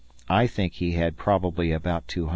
I think he had probably about 200.